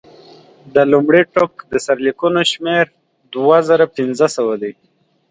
د لومړي ټوک د سرلیکونو شمېر دوه زره پنځه سوه دی.